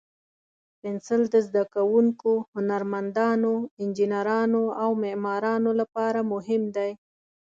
پنسل د زده کوونکو، هنرمندانو، انجینرانو، او معمارانو لپاره مهم دی.